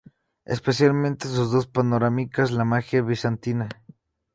Especialmente sus dos panorámicas: “La magia bizantina.